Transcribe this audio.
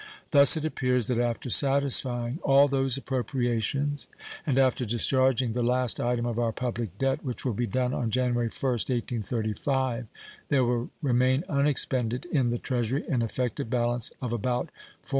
Thus it appears that after satisfying all those appropriations and after discharging the last item of our public debt, which will be done on January 1st, 1835, there will remain unexpended in the Treasury an effective balance of about $440,000.